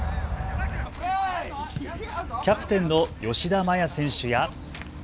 キャプテンの吉田麻也選手や。